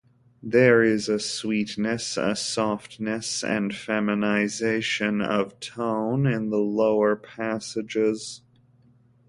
There is a sweetness, a softness, and feminization of tone, in the lower passages.